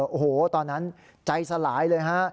โอ้โหตอนนั้นใจสลายเลยฮะ